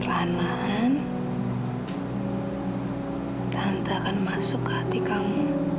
perlahan lahan tante akan masuk ke hati kamu